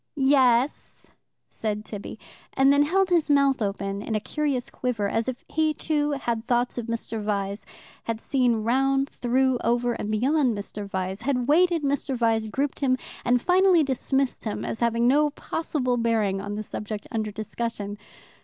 "Ye es," said Tibby, and then held his mouth open in a curious quiver, as if he, too, had thoughts of Mr. Vyse, had seen round, through, over, and beyond Mr. Vyse, had weighed Mr. Vyse, grouped him, and finally dismissed him as having no possible bearing on the subject under discussion.